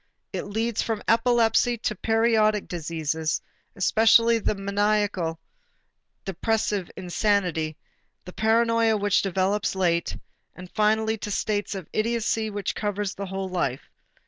It leads from epilepsy to the periodic diseases, especially the maniacal depressive insanity, the paranoia which develops late, and finally to states of idiocy which cover the whole life.